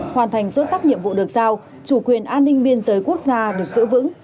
hoàn thành xuất sắc nhiệm vụ được giao chủ quyền an ninh biên giới quốc gia được giữ vững